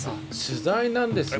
取材なんですね！